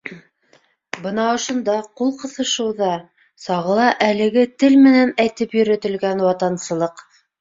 Бына ошонда, ҡул ҡыҫышыуҙа, сағыла әлеге тел менән әйтеп йөрөтөлгән ватансылыҡ.